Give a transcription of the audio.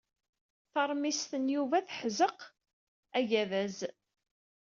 Taṛmist n Yuba teḥzeq agadaz.